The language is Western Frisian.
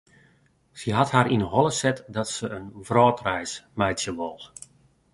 Sy hat har yn 'e holle set dat se in wrâldreis meitsje wol.